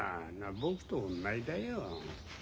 僕と同じだよ。